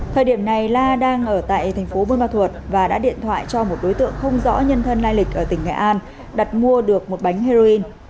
thời điểm này la đang ở tại thành phố buôn ma thuột và đã điện thoại cho một đối tượng không rõ nhân thân lai lịch ở tỉnh nghệ an đặt mua được một bánh heroin